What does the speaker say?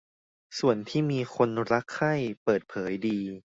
ส่วนที่มีคนรักใคร่เปิดเผยดี